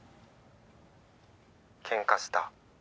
けんかした？